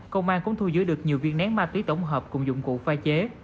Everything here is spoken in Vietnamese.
công an cũng thu giữ được nhiều viên nén ma túy tổng hợp cùng dụng cụ pha chế